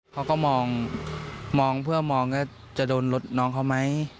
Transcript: เขาก็มองเพื่อมองว่าจะโดนรถน้องเขาไหม